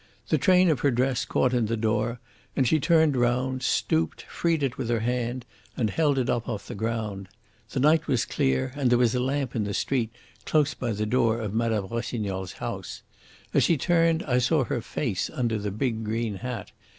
The train of her dress caught in the door, and she turned round, stooped, freed it with her hand, and held it up off the ground. The night was clear, and there was a lamp in the street close by the door of Mme. Rossignol's house. As she turned I saw her face under the big green hat.